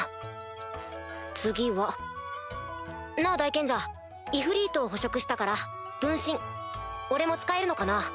大賢者イフリートを捕食したから分身俺も使えるのかな？